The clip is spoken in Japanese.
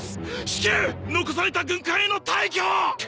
至急残された軍艦への退去を！